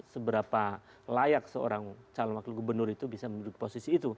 seberapa layak seorang calon wakil gubernur itu bisa menduduki posisi itu